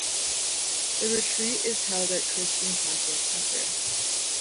The retreat is held at Christian conference center.